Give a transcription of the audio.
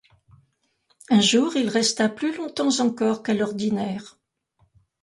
Un jour il resta plus longtemps encore qu'à l'ordinaire.